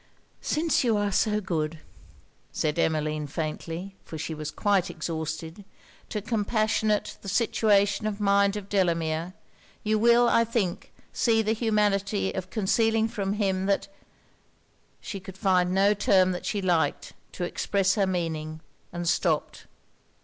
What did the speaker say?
'Since you are so good,' said Emmeline faintly, for she was quite exhausted, 'to compassionate the situation of mind of Delamere, you will, I think, see the humanity of concealing from him that ' She could find no term that she liked, to express her meaning, and stopped.